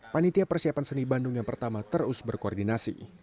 panitia persiapan seni bandung yang pertama terus berkoordinasi